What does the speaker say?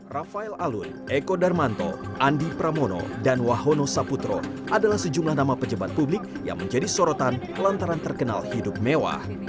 rafael alun eko darmanto andi pramono dan wahono saputro adalah sejumlah nama pejabat publik yang menjadi sorotan lantaran terkenal hidup mewah